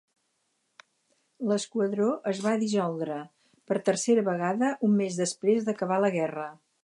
L'esquadró es va dissoldre per tercera vegada un mes després d'acabar la guerra.